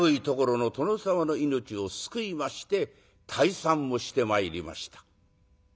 ところの殿様の命を救いまして退散をしてまいりました。